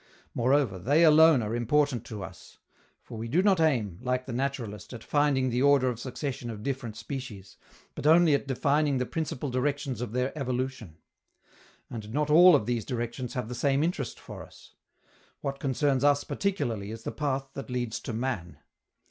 Moreover, they alone are important to us; for we do not aim, like the naturalist, at finding the order of succession of different species, but only at defining the principal directions of their evolution. And not all of these directions have the same interest for us: what concerns us particularly is the path that leads to man.